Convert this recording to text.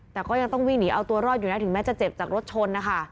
แต่ก็ยังต้องวิ่งหนีเอาตัวรอดอยู่นะถึงแม้จะเจ็บจากรถชนนะคะ